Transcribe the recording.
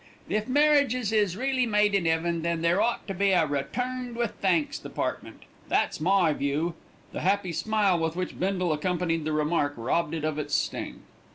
If marriages is really made in 'eaven, then there ought to be a 'Returned with thanks' department. That's my view." The happy smile with which Bindle accompanied the remark robbed it of its sting.